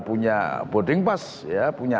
punya bodeng pas ya punya